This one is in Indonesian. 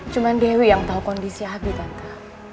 cuman dewi yang tau kondisi abi tante